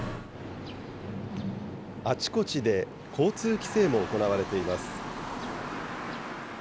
あちこちで交通規制も行われています。